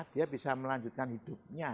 dia bisa melanjutkan hidupnya